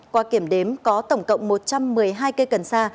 qua kiểm đếm có tổng cộng một trăm một mươi hai cây cần sa